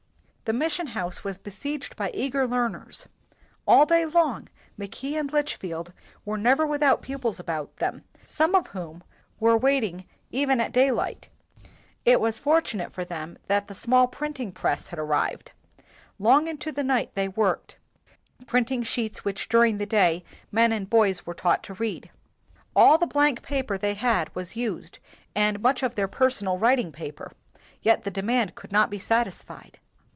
The mission house was be seiged by eager learners. All day long Mackay and Litchfield were never without pupils about them, some of whom were wait ing even at daylight. It was fortunate for them that the small printing press had ar rived. Long into the night they worked, printing sheets which during the day men and boys were taught to read. All the blank paper they had was used and much of their personal writing paper; yet the de mand could not be satisfied.